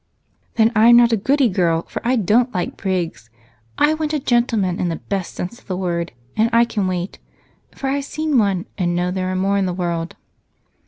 "Then I'm not a 'goody girl,' for I don't like prigs. I want a gentleman in the best sense of the word, and I can wait, for I've seen one, and know there are more in the world."